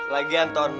lagi antum fah